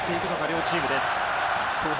両チームです。